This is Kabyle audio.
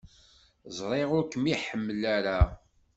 Ẓriɣ ur kem-iḥemmel ara.